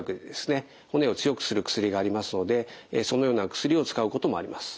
骨を強くする薬がありますのでそのような薬を使うこともあります。